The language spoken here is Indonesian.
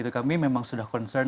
kami memang sudah concern